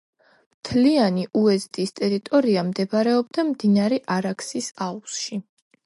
მთლიანი უეზდის ტერიტორია მდებარეობდა მდინარე არაქსის აუზში.